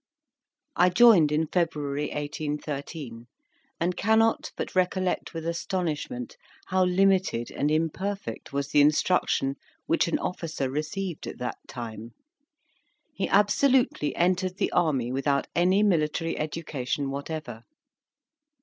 I joined in February 1813, and cannot but recollect with astonishment how limited and imperfect was the instruction which an officer received at that time: he absolutely entered the army without any military education whatever.